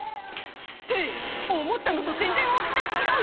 「って思ったのと全然大きさ違う」